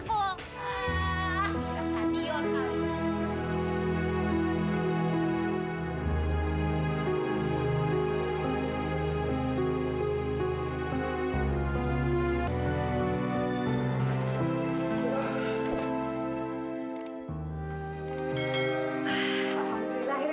saya mencari dia